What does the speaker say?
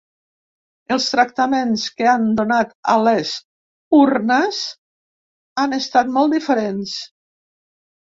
Els tractaments que han donat a les urnes han estat molt diferents.